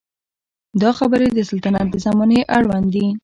دا خبرې د سلطنت د زمانې اړوند دي.